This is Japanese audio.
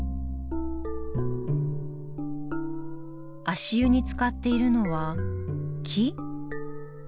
足湯につかっているのは木？